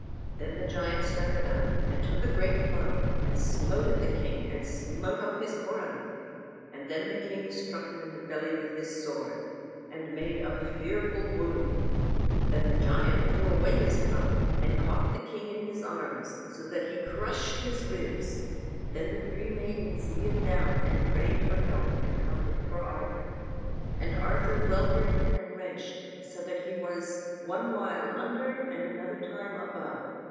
Then the giant started up, and took a great club, and smote at the king, and smote off his coronal; and then the king struck him in the belly with his sword, and made a fearful wound. Then the giant threw away his club, and caught the king in his arms, so that he crushed his ribs. Then the three maidens kneeled down and prayed for help and comfort for Arthur. And Arthur weltered and wrenched, so that he was one while under, and another time above.